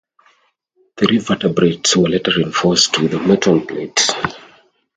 Three vertebrae were later reinforced with a metal plate.